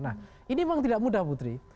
nah ini memang tidak mudah putri